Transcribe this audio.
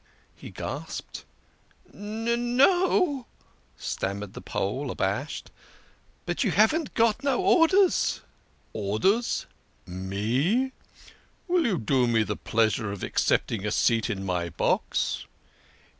he gasped. "N n no," stammered the Pole, abashed. "But you haven't got no orders?" 56 THE KING OF SCHNORRERS. " Orders ? Me ? Will you do me the pleasure of accept ing a seat in my box?"